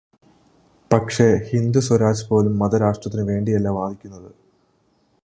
പക്ഷേ ഹിന്ദ് സ്വരാജ് പോലും മതരാഷ്ട്രത്തിനു വേണ്ടിയല്ല വാദിക്കുന്നത്.